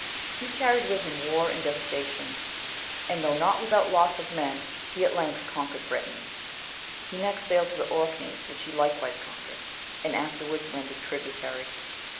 He carried with him war and devastation; and, though not without loss of men, he at length conquered Britain. He next sailed to the Orkneys, which he likewise conquered, and afterwards rendered tributary.